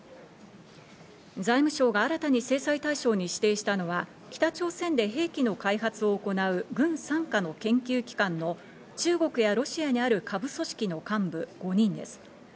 財務省が新たに制裁対象に指定したのは、北朝鮮で兵器の開発を行う軍傘下の研究機関の中国やロシアにある下部組織の幹部５人です。